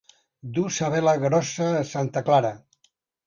Dur sa vela grossa a santa Clara.